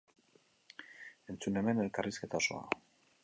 Entzun hemen elkarrizketa osoa.